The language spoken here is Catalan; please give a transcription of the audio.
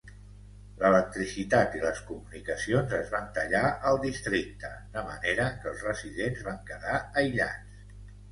L'electricitat i les comunicacions es van tallar al districte, de manera que els residents van quedar aïllats.